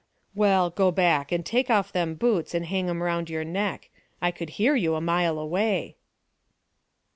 "Well, go back; and take off them boots, and hang 'em round your neck. I could hear you a mile away."